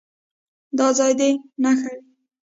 دا ځای دې نښه وي.